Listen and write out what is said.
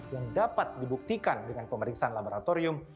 yang dapat dibuktikan dengan pemeriksaan laboratorium